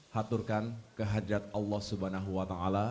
haturkan kehadrat allah swt